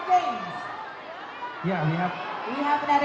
ต้องกลับมาที๒บาท